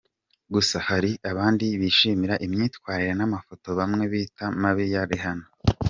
Gusa hari abandi bishimira imyitwarire n’amafoto bamwe bita mabi ya Rihanna.